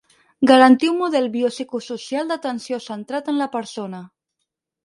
Garantir un model biopsicosocial d'atenció centrat en la persona.